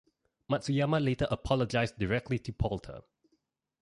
Matsuyama later apologized directly to Poulter.